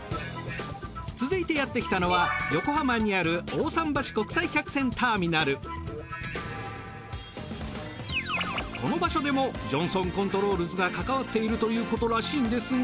続いてやってきたのはこの場所でもジョンソンコントロールズが関わっているということらしいんですが。